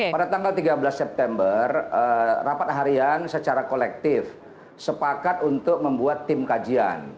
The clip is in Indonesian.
pada tanggal tiga belas september rapat harian secara kolektif sepakat untuk membuat tim kajian